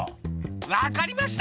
分かりました。